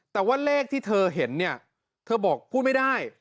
แต่ว่าเลขที่เธอเห็นเนี่ยเธอบอกพูดไม่ได้